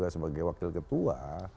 sebagai wakil ketua